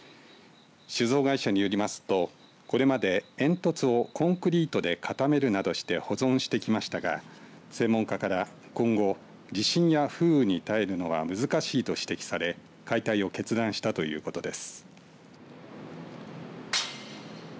酒造会社によりますとこれまで、煙突をコンクリートで固めるなどして保存してきましたが専門家から今後地震や風雨に耐えるのは難しいと指摘され解体を決断したということです。